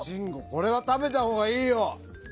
これは食べたほうがいいよ。